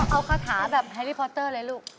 เอาคาถาแบบแฮรี่พอเตอร์เลยลูก